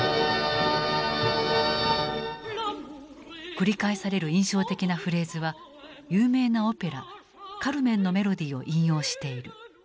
繰り返される印象的なフレーズは有名なオペラ「カルメン」のメロディーを引用している。